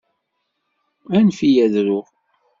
Anef-iyi ad ruɣ.